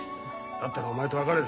だったらお前と別れる。